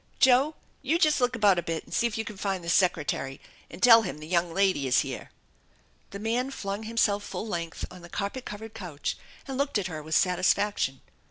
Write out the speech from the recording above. Joe, you jest look about a bit and see if you can find the Secretary, and tell him the young lady is here/' The man flung himself full length on the carpet covered couch and looked at her with satisfaction.